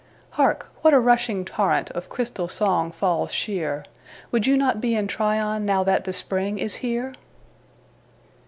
Hark—what a rushing torrentOf crystal song falls sheer! Would you not be in TryonNow that the spring is here?